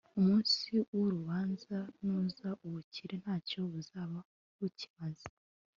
umunsi w'urubanza nuza, ubukire nta cyo buzaba bukimaze